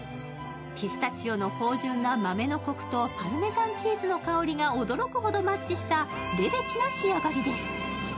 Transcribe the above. ピスタチオの芳醇な豆のこくとパルメザンチーズの香りが驚くほどマッチしたレベチな仕上がりです。